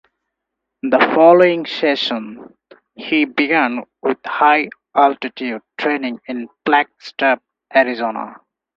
The following season, he began with high altitude training in Flagstaff, Arizona.